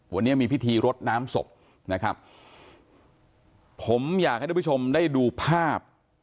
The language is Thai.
วันนี้มีพิธีรดน้ำศพนะครับผมอยากให้ทุกผู้ชมได้ดูภาพ